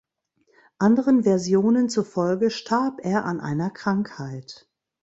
Anderen Versionen zufolge starb er an einer Krankheit.